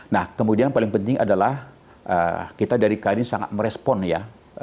nah kemudian paling penting adalah kita dari kd sangat merespon ya